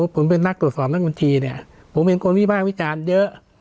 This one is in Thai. ผมเป็นนักตรวจสอบนักบัญชีเนี่ยผมเห็นคนวิภาควิจารณ์เยอะ